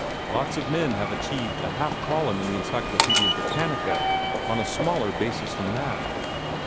Lots of men have achieved a half column in the 'Encyclopedia Britannica' on a smaller basis than that."